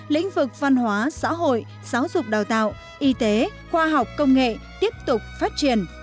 lĩnh vực văn hóa xã hội giáo dục đào tạo y tế khoa học công nghệ tiếp tục phát triển